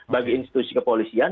bagi institusi kepolisian